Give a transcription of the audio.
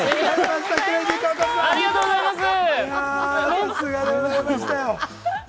さすがでございましたよ。